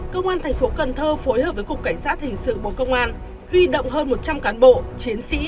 công an thành phố cần thơ phối hợp với cục cảnh sát hình sự bộ công an huy động hơn một trăm linh cán bộ chiến sĩ